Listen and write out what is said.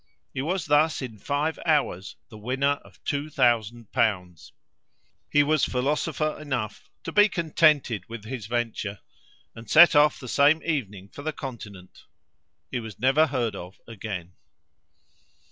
He was thus, in five hours, the winner of 2000l. He was philosopher enough to be contented with his venture, and set off the same evening for the Continent. He was never heard of again.